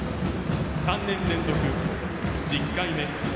３年連続１０回目。